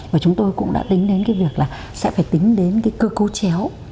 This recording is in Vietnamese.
và chúng tôi cũng đã tính đến việc là sẽ phải tính đến cơ cấu chéo